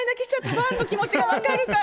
ファンの気持ちが分かるから。